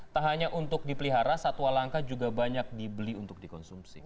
tak hanya untuk dipelihara satwa langka juga banyak dibeli untuk dikonsumsi